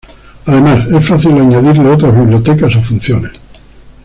Además es fácil añadirle otras bibliotecas o funciones.